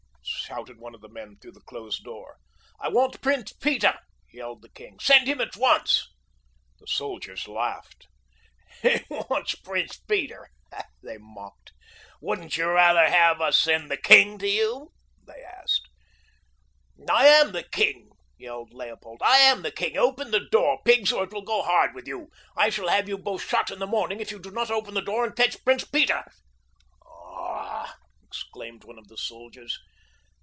shouted one of the men through the closed door. "I want Prince Peter!" yelled the king. "Send him at once!" The soldiers laughed. "He wants Prince Peter," they mocked. "Wouldn't you rather have us send the king to you?" they asked. "I am the king!" yelled Leopold. "I am the king! Open the door, pigs, or it will go hard with you! I shall have you both shot in the morning if you do not open the door and fetch Prince Peter." "Ah!" exclaimed one of the soldiers.